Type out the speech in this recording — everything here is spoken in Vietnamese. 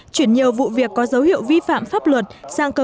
chuyển nhiều vụ việc có dấu hiệu vi phạm pháp luật sang cơ